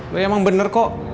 lu emang bener kok